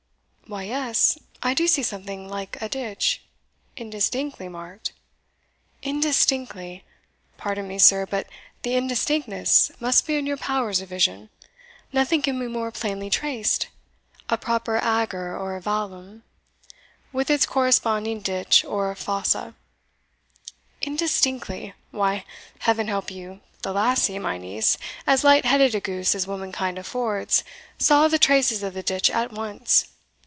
"Why, yes; I do see something like a ditch, indistinctly marked." "Indistinctly! pardon me, sir, but the indistinctness must be in your powers of vision. Nothing can be more plainly traced a proper agger or vallum, with its corresponding ditch or fossa. Indistinctly! why, Heaven help you, the lassie, my niece, as light headed a goose as womankind affords, saw the traces of the ditch at once.